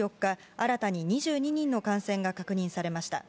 新たに２２人の感染が確認されました。